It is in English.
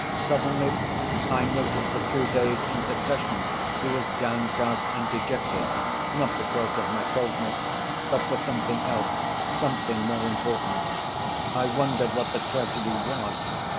Suddenly I noticed for three days in succession he was downcast and dejected, not because of my coldness, but for something else, something more important. I wondered what the tragedy was.